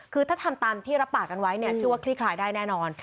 คือถ้าทำตามที่รับปากกันไว้เนี่ยชื่อว่าคลี่คลายได้แน่นอน